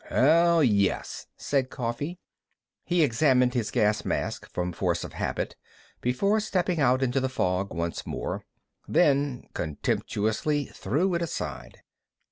"Hell yes," said Coffee. He examined his gas mask from force of habit before stepping out into the fog once more, then contemptuously threw it aside.